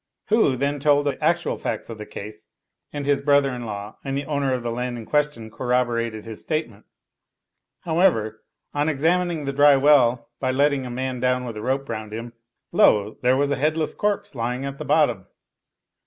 Hu then told the actual facts of the case, and his brother in law and the owner of the land in question corroborated his state ment. However, on examining the dry well by letting a man down with a rope round him, lo ! there was a headless corpse lying at the bottom.